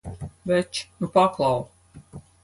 Veči, nu paklau!